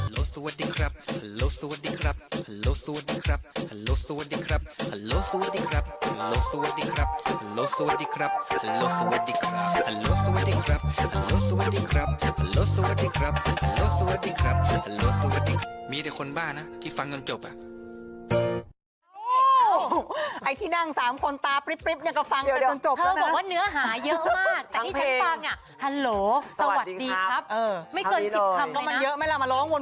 ฮัลโหลสวัสดีครับฮัลโหลสวัสดีครับฮัลโหลสวัสดีครับฮัลโหลสวัสดีครับฮัลโหลสวัสดีครับฮัลโหลสวัสดีครับฮัลโหลสวัสดีครับฮัลโหลสวัสดีครับฮัลโหลสวัสดีครับฮัลโหลสวัสดีครับฮัลโหลสวัสดีครับฮัลโหลสวัสดีครับฮัลโหล